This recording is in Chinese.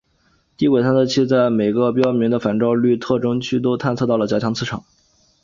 低轨探测器在每个标明的反照率特征区都探测到了较强磁场。